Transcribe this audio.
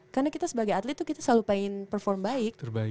karena kita sebagai atlet tuh kita selalu pengen perform baik